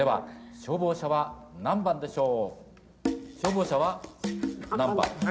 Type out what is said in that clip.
消防車は何番でしょう？